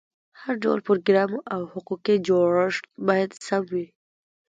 هر ډول پروګرام او حقوقي جوړښت باید سم وي.